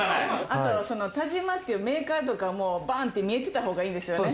あとそのＴＡＪＩＭＡっていうメーカーとかもバンって見えてた方がいいですよね。